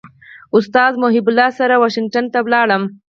استاد محب الله سره واشنګټن ته ولاړم.